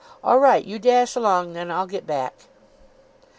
All right. You dash along then. I'll get back."